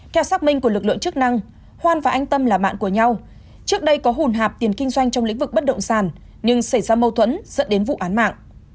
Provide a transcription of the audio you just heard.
theo xác minh của lực lượng chức năng hoan và anh tâm là bạn của nhau trước đây có hồn hạp tiền kinh doanh trong lĩnh vực bất động sản nhưng xảy ra mâu thuẫn dẫn đến vụ án mạng